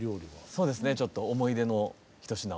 そうですねちょっと思い出の一品をじゃあ。